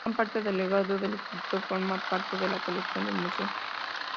Gran parte del legado del escultor forma parte de la colección del Museo.